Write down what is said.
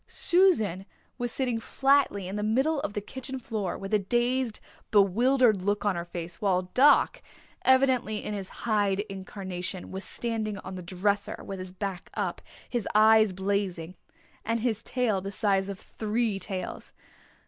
Susan was sitting flatly in the middle of the kitchen floor with a dazed, bewildered look on her face, while Doc, evidently in his Hyde incarnation, was standing on the dresser, with his back up, his eyes blazing, and his tail the size of three tails.